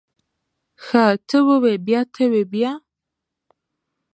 ښه ته ووی بيا ته وی بيا.